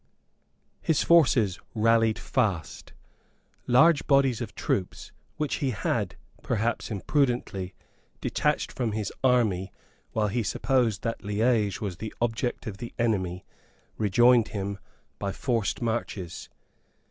His forces rallied fast. Large bodies of troops which he had, perhaps imprudently, detached from his army while he supposed that Liege was the object of the enemy, rejoined him by forced marches.